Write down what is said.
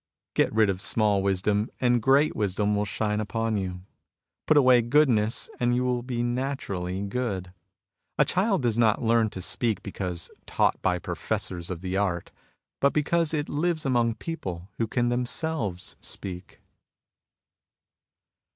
Get rid of small wisdom, and great wisdom will shine upon you. Put away goodness and you will be naturally good. A child does not leani to speak because taught by professors of the art^ but because it lives among people who can themselves speak.